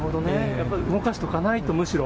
やっぱり動かしとかないと、むしろ？